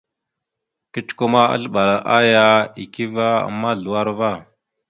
Kecəkwe ma, azləɓal aya ekeve a mbazləwar va.